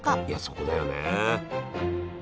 いやそこだよね。